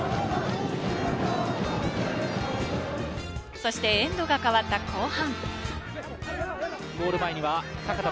そしてエンドが変わった後半。